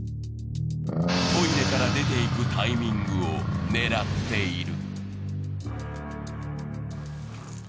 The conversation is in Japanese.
トイレから出て行くタイミングを狙っている。